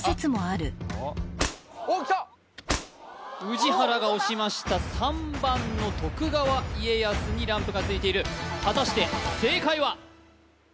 宇治原が押しました３番の徳川家康にランプがついている果たして正解は？